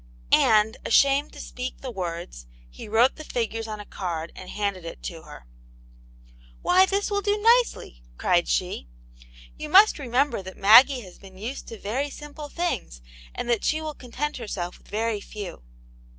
And ashamed to speak the words, he wrote the figures on ^ card and handed it to her. . "Why, this will do nicely!" cried she. "You jpust remember that Maggie has been used to very simple things, and that she will content herself with very few."